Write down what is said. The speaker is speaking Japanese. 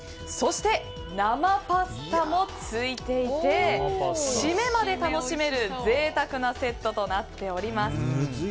そして、生パスタもついていてシメまで楽しめる贅沢なセットとなっております。